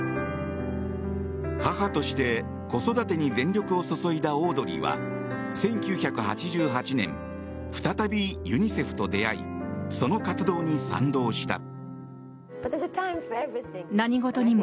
母として子育てに全力を注いだオードリーは１９８８年、再びユニセフと出会いその活動に賛同した。